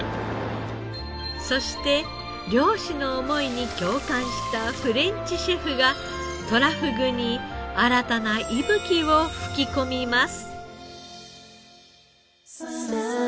そして漁師の想いに共感したフレンチシェフがとらふぐに新たな息吹を吹きこみます。